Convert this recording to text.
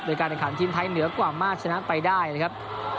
โดยการแข่งขันทีมไทยเหนือกว่ามากชนะไปได้นะครับ